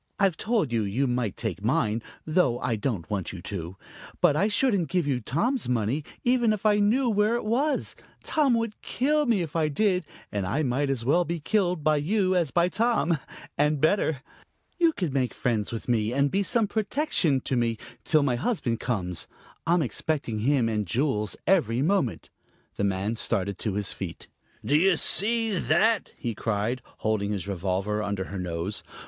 I've told you you might take mine, though I don't want you to. But I shouldn't give you Tom's money, even if I knew where it was. Tom would kill me if I did, and I might as well be killed by you as by Tom and better. You can make friends with me, and be some protection to me till my husband comes. I'm expecting him and Jules every moment." The man started to his feet. "Do you see that?" he cried, holding his revolver under her nose.